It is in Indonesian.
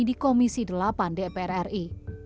di komisi delapan dpr ri